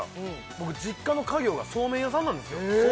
僕実家の家業がそうめん屋さんなんですよ